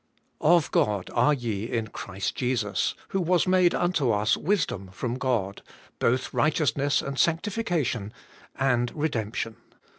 ' Of God are ye in Christ Jesus, who was made unto us WISDOM from God, both righteousness and sanctification, and redemption.